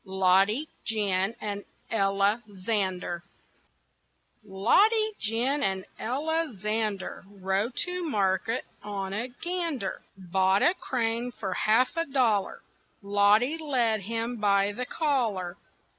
LODDY, GIN, AND ELLA ZANDER Loddy, Gin, and Ella Zander Rode to market on a gander; Bought a crane for half a dollar; Loddy led him by the collar.